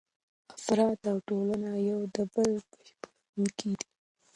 افراد او ټولنه یو د بل بشپړونکي دي.